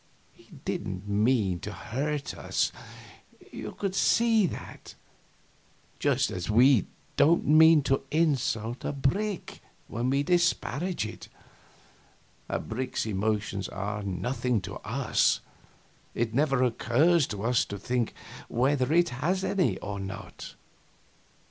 He didn't mean to hurt us, you could see that; just as we don't mean to insult a brick when we disparage it; a brick's emotions are nothing to us; it never occurs to us to think whether it has any or not.